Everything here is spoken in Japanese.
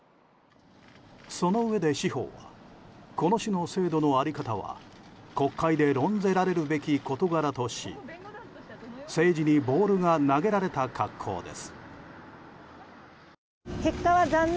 そのうえで、司法はこの種の制度の在り方は国会で論ぜられるべき事柄とし政治にボールが投げられた格好です。